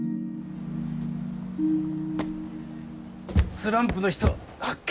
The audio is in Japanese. スランプの人発見！